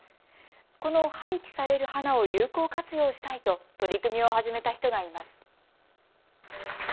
この廃棄される花を有効活用したいと取り組みを始めた人がいます。